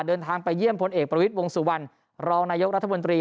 เดินทางไปเยี่ยมพลเอกประวิทย์วงสุวรรณรองนายกรัฐมนตรี